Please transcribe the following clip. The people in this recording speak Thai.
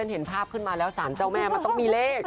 เห็นภาพขึ้นมาแล้วสารเจ้าแม่มันต้องมีเลข